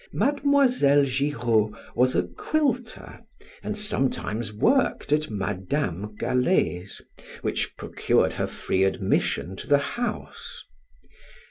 Mademoiselle Giraud was a quilter, and sometimes worked at Madam Galley's, which procured her free admission to the house.